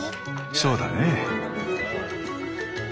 そうだね。